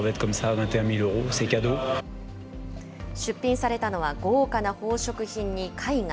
出品されたのは、豪華な宝飾品に絵画、